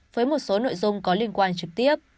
với một số nội dung có liên quan trực tiếp